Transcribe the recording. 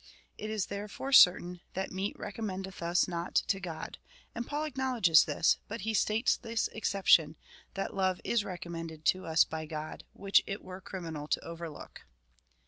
It is, therefore, certain, that meat recommendeth us not to God ; and Paul acknowledges this, but he states this exception, that love is recommended to us by God, which it were cri minal to overlook.